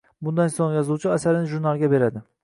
Bundan soʻng yozuvchi asarini jurnalga beradi